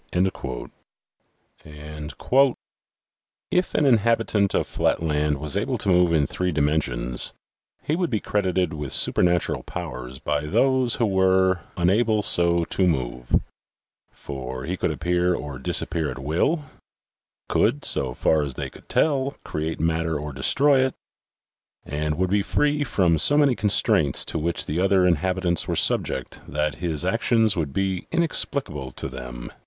" If an inhabitant of flatland was able to move in three dimensions, he would be credited with supernatural powers by those who were unable so to move ; for he could appear or disappear at will ; could (so far as they could tell) create matter or destroy it, and would be free from so many con straints to which the other inhabitants were subject that his actions would be inexplicable to them."